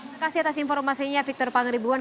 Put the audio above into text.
terima kasih atas informasinya victor pangeribuan